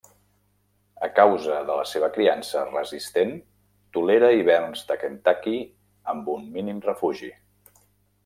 A causa de la seva criança resistent, tolera hiverns de Kentucky amb un mínim refugi.